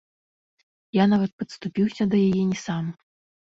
Я нават падступіўся да яе не сам.